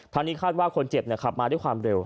นี้คาดว่าคนเจ็บขับมาด้วยความเร็ว